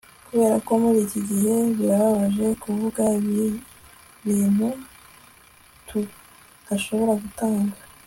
kuberako muriki gihe birababaje kuvuga ibi nibintu tudashobora gutanga